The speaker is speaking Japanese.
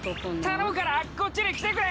頼むからこっちに来てくれ。